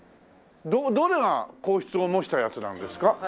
どどれが皇室を模したやつなんですか？